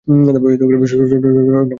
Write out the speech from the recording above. সোনা, ভালো করে ভেবে দেখো।